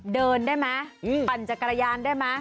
เดินได้ไหมปั่นจักรยานได้ไหม